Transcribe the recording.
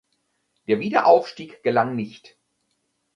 Der Wiederaufstieg gelang nicht.